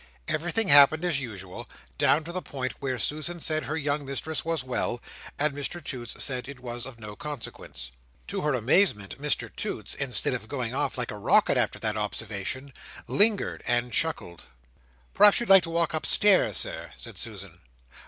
Everything happened as usual, down to the point where Susan said her young mistress was well, and Mr Toots said it was of no consequence. To her amazement, Mr Toots, instead of going off, like a rocket, after that observation, lingered and chuckled. "Perhaps you'd like to walk upstairs, Sir!" said Susan.